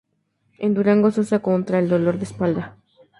En Durango se usa contra el dolor de espalda.